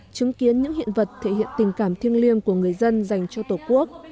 chứng kiến những hiện vật thể hiện tình cảm thiêng liêng của người dân dành cho tổ quốc